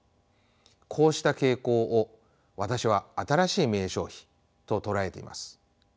こうした傾向を私は「新しい見栄消費」と捉えています。